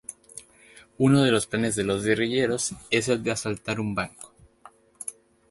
Uno de los planes de los guerrilleros es el de asaltar un banco.